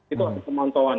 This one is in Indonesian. itu ada pemontauan